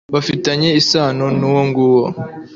bafitanye isano n'uwo nguwo